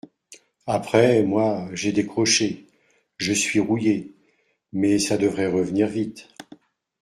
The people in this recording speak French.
Après, moi, j’ai décroché. Je suis rouillée, mais ça devrait revenir vite